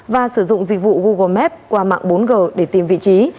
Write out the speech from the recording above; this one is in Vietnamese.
và sử dụng dịch vụ google map qua mạng bốn g để tìm vị trí